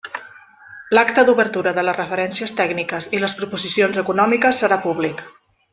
L'acta d'obertura de les referències tècniques i les proposicions econòmiques serà públic.